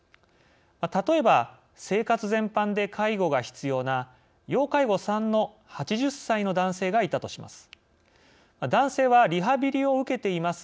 例えば、生活全般で介護が必要な要介護３の８０歳の男性がいたとします。